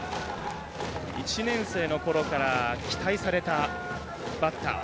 １年生のころから期待されたバッター。